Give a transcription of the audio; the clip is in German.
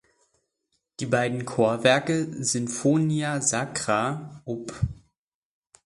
Die beiden Chorwerke "Sinfonia Sacra" op.